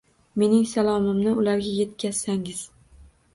Mening salomimni ularga yetkazsangiz.